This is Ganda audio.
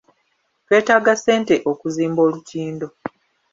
Twetaaga ssente okuzimba olutindo.